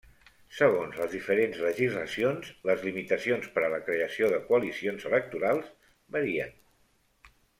Segons les diferents legislacions, les limitacions per a la creació de coalicions electorals varien.